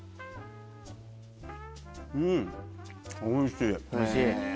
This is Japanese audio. うんおいしい。